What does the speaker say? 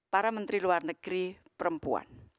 para menteri luar negeri perempuan